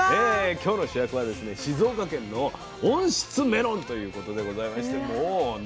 今日の主役は静岡県の温室メロンということでございましてもうね